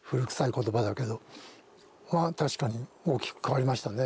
確かに大きく変わりましたね。